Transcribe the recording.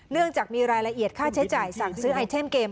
เนื่องจากมีรายละเอียดค่าใช้จ่ายสั่งซื้อไอเทมเกม